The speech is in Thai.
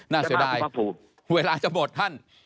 น่าเสียดายเวลาจะหมดท่าน